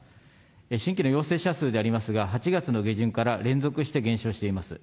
新規の陽性者数でありますが、８月の下旬から連続して減少しています。